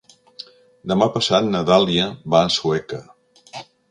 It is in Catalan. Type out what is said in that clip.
Demà passat na Dàlia va a Sueca.